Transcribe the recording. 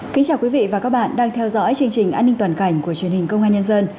kính chào quý vị và các bạn đang theo dõi chương trình an ninh toàn cảnh của truyền hình công an nhân dân